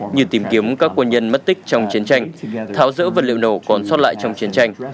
như tìm kiếm các quân nhân mất tích trong chiến tranh tháo rỡ vật liệu nổ còn sót lại trong chiến tranh